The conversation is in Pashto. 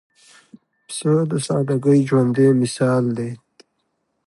پسه د سادګۍ ژوندى مثال دی.